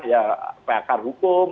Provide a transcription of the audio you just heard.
ya pekar hukum